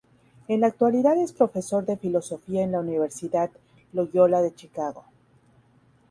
En la actualidad es profesor de filosofía en la Universidad Loyola de Chicago.